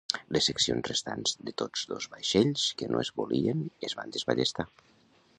Les seccions restants de tots dos vaixells que no es volien es van desballestar.